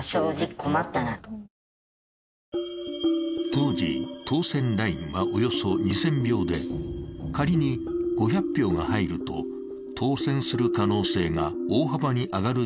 当時、当選ラインはおよそ２０００票で、仮に５００票が入ると、当選する可能性が大幅に上がる